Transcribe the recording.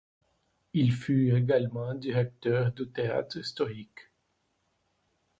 Il fut également directeur du Théâtre historique.